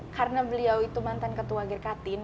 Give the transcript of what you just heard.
karena beliau itu mantan ketua gerkatin